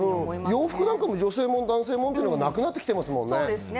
洋服なんかも女性もの、男性ものってなくなってきてますもんね。